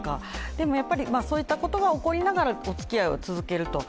でもやっぱりそういったことが起こりながら、おつきあいを続けると。